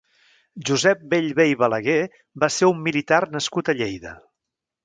Josep Bellver i Balaguer va ser un militar nascut a Lleida.